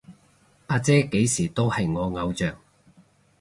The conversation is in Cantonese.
阿姐幾時都係我偶像